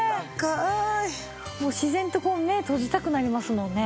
もう自然と目閉じたくなりますもんね。